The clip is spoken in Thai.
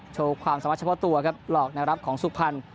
โชว์ความสามารถเฉพาะตัวครับหลอกแนวรับของสุพรรณ